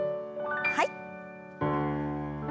はい。